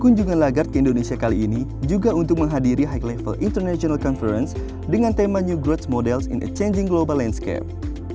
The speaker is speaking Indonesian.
kunjungan lagarde ke indonesia kali ini juga untuk menghadiri high level international conference dengan tema new growth models in a changing global landscape